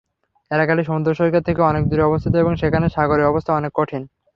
এলাকাটি সমুদ্রসৈকত থেকে অনেক দূরে অবস্থিত এবং সেখানে সাগরের অবস্থা অনেক কঠিন।